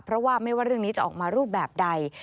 เพราะว่าไม่ว่าเรื่องนี้จะออกมารูปแบบใด